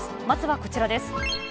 まずはこちらです。